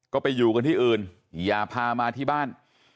ก็ไปอยู่กันที่อื่นอย่าพามาที่บ้าน